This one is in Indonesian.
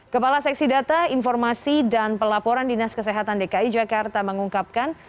kepala seksi data informasi dan pelaporan dinas kesehatan dki jakarta mengungkapkan